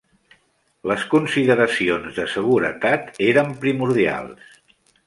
Les consideracions de seguretat eren primordials.